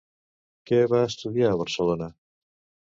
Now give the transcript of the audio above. Què va estudiar a Barcelona?